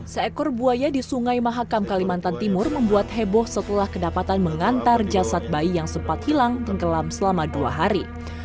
seekor buaya di sungai mahakam kalimantan timur membuat heboh setelah kedapatan mengantar jasad bayi yang sempat hilang tenggelam selama dua hari